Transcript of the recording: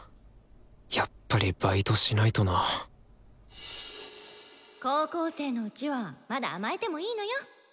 やっぱりバイトしないとな高校生のうちはまだ甘えてもいいのよ。